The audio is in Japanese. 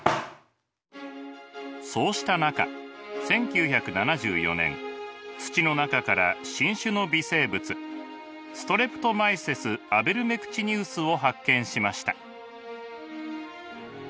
そうした中１９７４年土の中から新種の微生物ストレプトマイセス・アベルメクチニウスを発見しました。